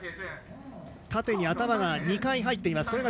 縦に頭が２回入っています。